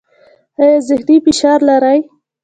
ایا ذهني فشار لرئ؟